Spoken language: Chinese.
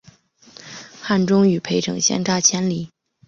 汉中与涪城相差千里。